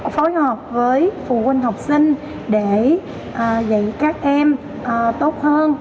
phối hợp với phụ huynh học sinh để dạy các em tốt hơn